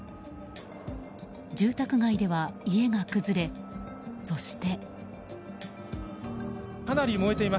住宅街では家が崩れ、そして。